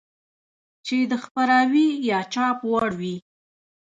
چې د خپراوي يا چاپ وړ وي.